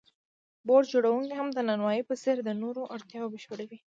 بوټ جوړونکی هم د نانوای په څېر د نورو اړتیاوې بشپړوي